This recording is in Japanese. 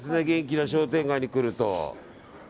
元気な商店街に来ると。